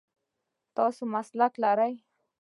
تاسو څه مسلک لرئ ؟